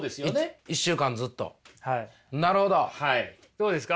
どうですか。